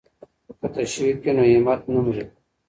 که تشویق وي نو همت نه مري.